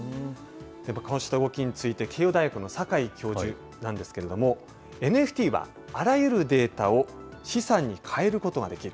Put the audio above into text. こうした動きについて、慶應大学の坂井教授なんですけれども、ＮＦＴは、あらゆるデータを資産に変えることができる。